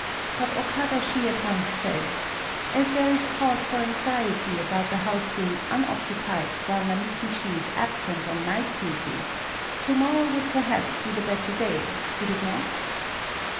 But Okada Shi at once said :— ^^As there is cause for anxiety about the house being unoccupied while Namiki Shi is absent [on night duty^^ to morrow would perhaps be the better day — would it not?"